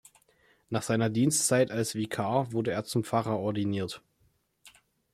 Nach seiner Dienstzeit als Vikar wurde er zum Pfarrer ordiniert.